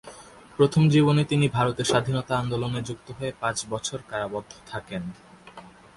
প্রথম জীবনে তিনি ভারতের স্বাধীনতা আন্দোলনে যুক্ত হয়ে পাঁচ বছর কারারুদ্ধ থাকেন।